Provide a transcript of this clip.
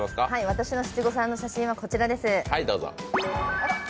私の七五三の写真はこちらです。